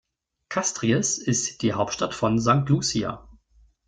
Castries ist die Hauptstadt von St. Lucia.